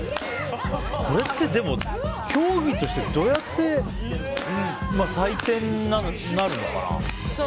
これって、でも競技としてどうやって採点になるのかな？